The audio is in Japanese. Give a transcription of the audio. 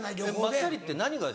まったりって何が？